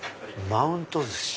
マウント寿司。